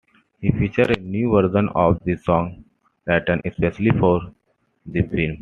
It featured a new version of the song, written specially for the film.